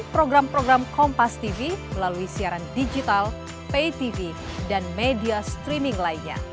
program program kompastv melalui siaran digital paytv dan media streaming lainnya